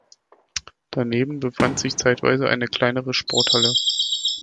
Daneben befand sich zeitweise eine kleinere Sporthalle.